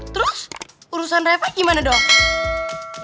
terus urusan repak gimana dong